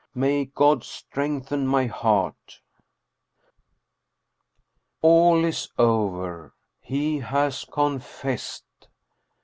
May God strengthen my heart. All is over. He has confessed.